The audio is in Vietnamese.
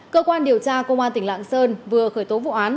cơ quan điều tra công an tỉnh lạng sơn vừa khởi tố vụ án